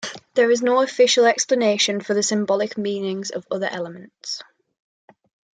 There is no official explanation for the symbolic meanings of other elements.